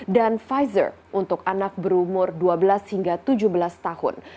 dan pfizer untuk anak berumur dua belas hingga tujuh belas tahun